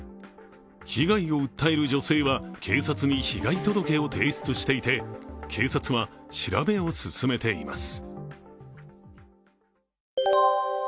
被害を訴える女性は警察に被害届を提出していて、警察は調べを進めています。